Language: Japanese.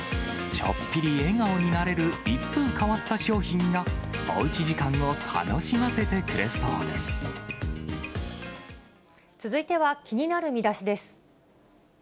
ちょっぴり笑顔になれる一風変わった商品が、おうち時間を楽続いては気になるミダシです。